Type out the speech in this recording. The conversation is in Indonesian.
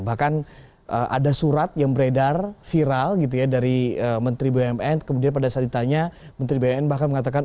bahkan ada surat yang beredar viral gitu ya dari menteri bumn kemudian pada saat ditanya menteri bumn bahkan mengatakan